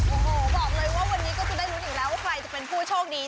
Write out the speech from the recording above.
โอ้โหบอกเลยว่าวันนี้ก็จะได้ลุ้นอีกแล้วว่าใครจะเป็นผู้โชคดี